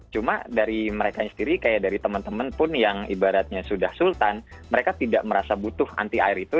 cuma dari mereka sendiri kayak dari teman teman pun yang ibaratnya sudah sultan mereka tidak merasa butuh anti air itu